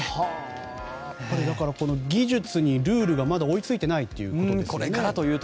技術にルールがまだ追いついてないということですね。